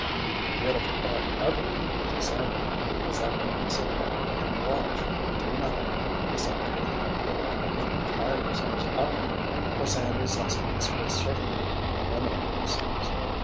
The beautiful part of it, to Sandy, was that he could sit by and watch, do nothing, except "pay out rope and let them tie themselves up in it." For Sandy's suspects would certainly incriminate themselves.